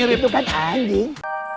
itu kan anjing